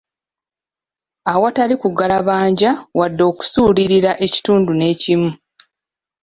Awatali kugalabanja wadde okusuulirira ekitundu nekimu.